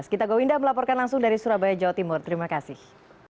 gita gowinda melaporkan langsung dari surabaya jawa timur terima kasih